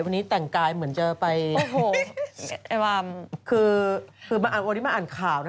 วันนี้แต่งกายเหมือนจะไปโอ้โหไอ้วามคือคือมาอ่านวันนี้มาอ่านข่าวนะ